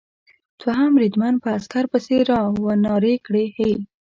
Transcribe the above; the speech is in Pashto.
دوهم بریدمن په عسکر پسې را و نارې کړې: هې!